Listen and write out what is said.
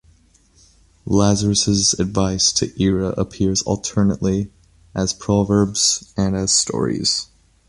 Lazarus' advice to Ira appears alternately as proverbs and as stories.